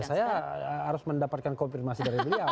saya harus mendapatkan konfirmasi dari beliau